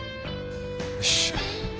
よし。